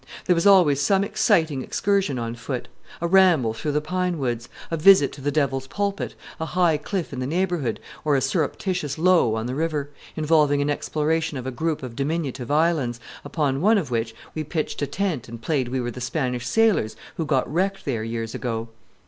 There was always some exciting excursion on foot a ramble through the pine woods, a visit to the Devil's Pulpit, a high cliff in the neighborhood or a surreptitious low on the river, involving an exploration of a group of diminutive islands, upon one of which we pitched a tent and played we were the Spanish sailors who got wrecked there years ago.